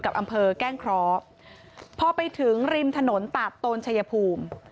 กับอำเภอแก้งเคราะห์พอไปถึงริมถนนตาดโตนชายภูมิ